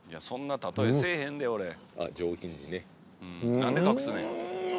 何で隠すねん。